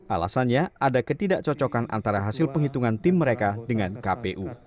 alasannya ada ketidakcocokan antara hasil penghitungan tim mereka dengan kpu